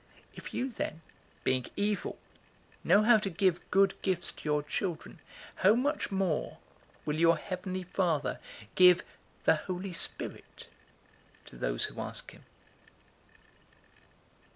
011:013 If you then, being evil, know how to give good gifts to your children, how much more will your heavenly Father give the Holy Spirit to those who ask him?"